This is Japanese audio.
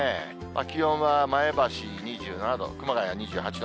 気温は前橋２７度、熊谷２８度。